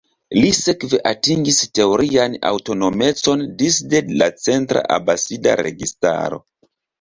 Li sekve atingis teorian aŭtonomecon disde la centra Abasida registaro.